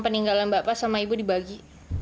kalau aku itu mandiri